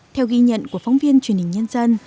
theo ghi nhận của phóng viên truyền hình nhân dân